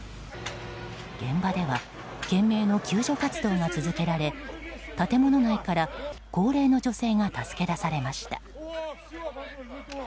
現場では懸命の救助活動が続けられ建物内から高齢の女性が助け出されました。